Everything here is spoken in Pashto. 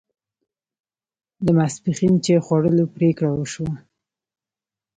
د ماپښین چای خوړلو پرېکړه وشوه.